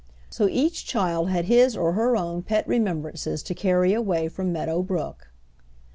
So each child had his or her own pet remembrances to carry away from Meadow Brook.